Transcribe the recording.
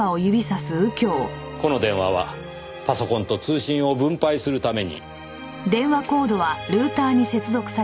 この電話はパソコンと通信を分配するために。